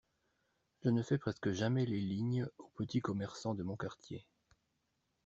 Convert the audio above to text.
Je ne fais presque jamais les lignes aux petits commerçants de mon quartier.